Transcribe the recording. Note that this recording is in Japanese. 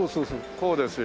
こうですよ。